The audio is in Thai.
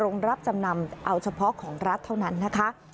รับจำนำเอาเฉพาะของรัฐเท่านั้นนะคะ